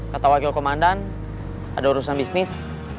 kata wakil komandan ada urusan bisnis